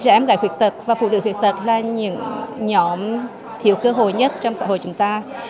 trẻ em gái khuyết tật và phụ nữ khuyết tật là những nhóm thiếu cơ hội nhất trong xã hội chúng ta